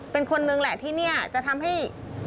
เป็นคนนึงแหละที่นี่จะทำให้